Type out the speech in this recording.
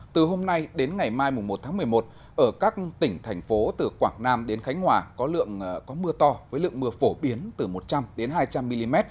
từ hôm nay đến ngày mai một tháng một mươi một ở các tỉnh thành phố từ quảng nam đến khánh hòa có mưa to với lượng mưa phổ biến từ một trăm linh hai trăm linh mm